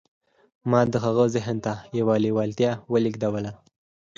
ما د هغه ذهن ته يوه لېوالتیا ولېږدوله.